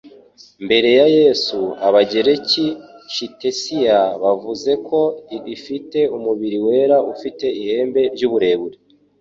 mbere ya Yesu, Abagereki Ctesiya bavuze ko ifite umubiri wera ufite ihembe ry'uburebure